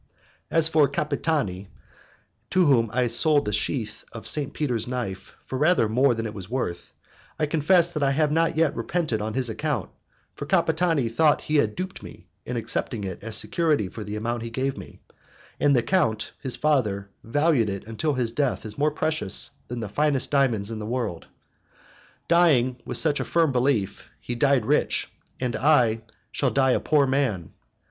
As for Capitani, to whom I sold the sheath of St. Peter's knife for rather more than it was worth, I confess that I have not yet repented on his account, for Capitani thought he had duped me in accepting it as security for the amount he gave me, and the count, his father, valued it until his death as more precious than the finest diamond in the world. Dying with such a firm belief, he died rich, and I shall die a poor man.